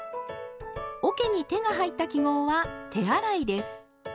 おけに手が入った記号は手洗いです。